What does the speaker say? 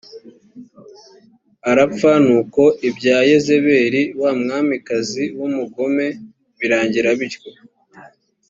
arapfa nuko ibya yezebeli wa mwamikazi w umugome birangira bityo